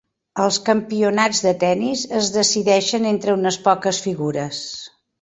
Els campionats de tenis es decideixen entre unes poques figures.